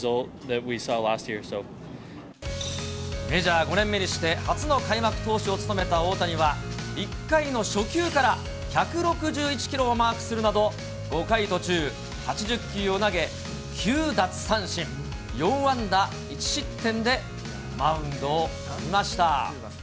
メジャー５年目にして、初の開幕投手を務めた大谷は、１回の初球から１６１キロをマークするなど、５回途中、８０球を投げ、９奪三振、４安打１失点でマウンドを降りました。